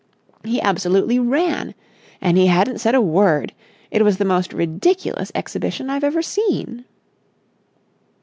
He absolutely ran! And he hadn't said a word! It was the most ridiculous exhibition I've ever seen!"